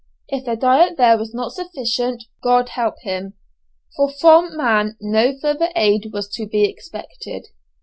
If the diet there was not sufficient, God help him, for from man no further aid was to be expected.